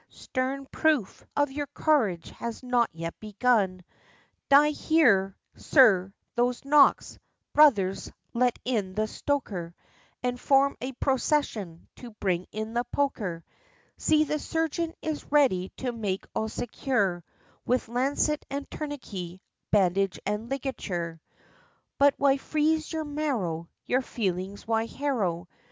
Stern proof of your courage has not yet begun; D'ye hear, sir, those knocks? Brothers, let in the stoker, And form a procession to bring in the poker! See the surgeon is ready to make all secure With lancet and tourniquet, bandage and ligature!' But why freeze your marrow Your feelings why harrow?